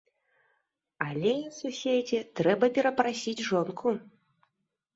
Але, суседзе, трэба перапрасіць жонку!